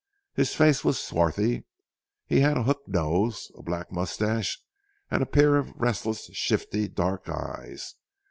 His face was swarthy; he had a hook nose, a black moustache, and a pair of restless shifty dark eyes.